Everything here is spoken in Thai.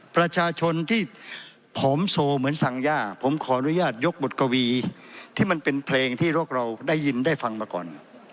ผมโทรเหมือนสังญาผมขออนุญาตยกบทกวีที่มันเป็นเพลงที่เราได้ยินได้ฟังมาก่อน